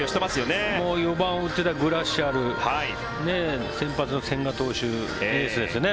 ４番を打っていたグラシアル先発の千賀投手手術ですよね。